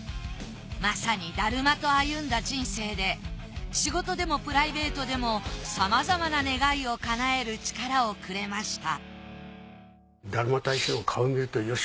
まさに達磨と歩んだ人生で仕事でもプライベートでもさまざまな願いをかなえる力をくれました